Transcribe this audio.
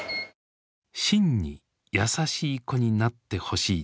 真に優しい子になってほしいと名付けた。